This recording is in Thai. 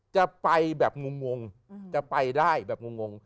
จะไปแบบงงจะไปได้แบบงง